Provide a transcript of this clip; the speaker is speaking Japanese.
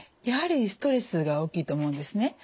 やはりストレスが大きいと思うんですね。